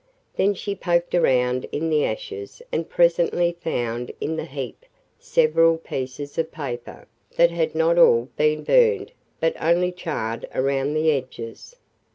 Then she poked around in the ashes and presently found in the heap several pieces of paper that had not all been burned but only charred around the edges.